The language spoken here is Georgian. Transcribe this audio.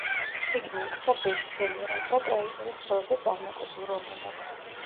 წიგნი იქცა ბესტსელერად და კრაიტონის ყველაზე წარმატებულ რომანად.